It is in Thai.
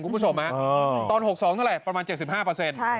คุณผู้ชมฮะตอน๖๒เท่าไหร่ประมาณ๗๕เปอร์เซ็นต์